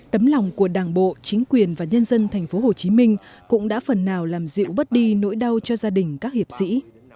tấm lòng của đảng bộ chính quyền và nhân dân tp hcm cũng đã phần nào làm dịu bớt đi nỗi đau cho gia đình các hiệp sĩ